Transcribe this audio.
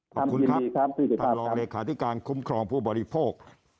ตามที่ดีครับสวิทธิภาพการตรแลขาธิการคุมครองผู้บริโภค